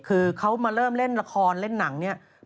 คือเขามาเริ่มเล่นละครเล่นหนังเนี่ยไม่ได้เรียนอะไรมาเลย